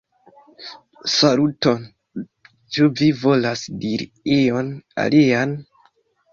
Saluton! Ĉu vi volas diri ion alian?